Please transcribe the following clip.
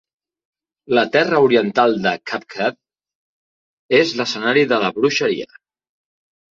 La terra oriental de Kakhabad és l'escenari de la bruixeria!